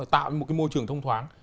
tạo ra một cái môi trường thông thoáng